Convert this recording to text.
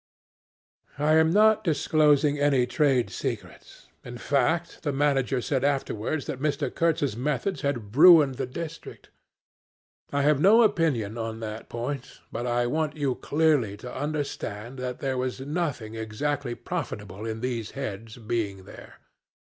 "I am not disclosing any trade secrets. In fact the manager said afterwards that Mr. Kurtz's methods had ruined the district. I have no opinion on that point, but I want you clearly to understand that there was nothing exactly profitable in these heads being there.